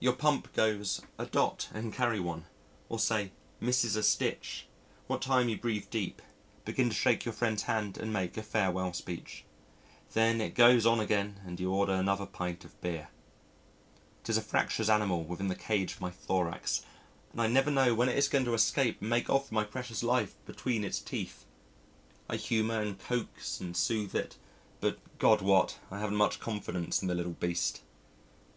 Your pump goes a "dot and carry one," or say "misses a stitch," what time you breathe deep, begin to shake your friend's hand and make a farewell speech. Then it goes on again and you order another pint of beer. It is a fractious animal within the cage of my thorax, and I never know when it is going to escape and make off with my precious life between its teeth. I humour and coax and soothe it, but, God wot, I haven't much confidence in the little beast.